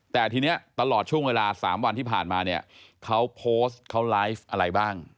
แต่ทีนี้ตลอดช่วงเวลา๓วันที่ผ่านมาเนี่ยเขาโพสต์เขาไลฟ์อะไรบ้าง